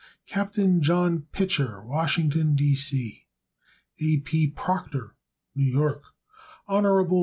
Capt. John Pitcher, Washington, D. C. A. P. Proctor, New York. Hon.